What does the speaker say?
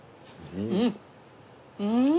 うん。